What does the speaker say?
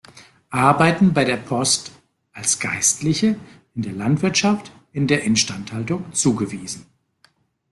Arbeiten bei der Post, als Geistliche, in der Landwirtschaft, in der Instandhaltung zugewiesen.